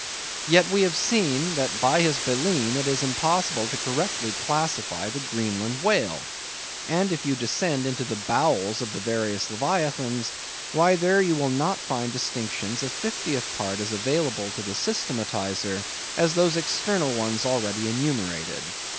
Yet we have seen that by his baleen it is impossible correctly to classify the Greenland whale. And if you descend into the bowels of the various leviathans, why there you will not find distinctions a fiftieth part as available to the systematizer as those external ones already enumerated.